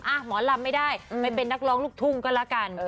หมอลำไม่ได้ไปเป็นนักร้องลูกทุ่งก็แล้วกัน